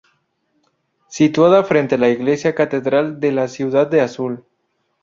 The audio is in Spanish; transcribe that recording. Situada frente a la Iglesia Catedral de la ciudad de Azul.